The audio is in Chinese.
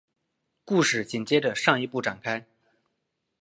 故事紧接着上一部展开。